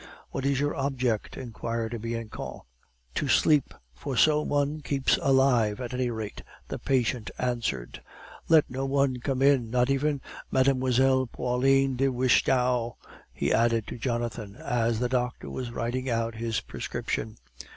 "What is your object?" inquired Bianchon. "To sleep; for so one keeps alive, at any rate," the patient answered. "Let no one come in, not even Mlle. Pauline de Wistchnau!" he added to Jonathan, as the doctor was writing out his prescription.